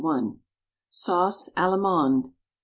SAUCE ALLEMANDE.